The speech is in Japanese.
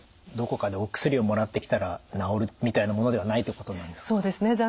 どこかでお薬をもらってきたら治るみたいものではないってことなんですか？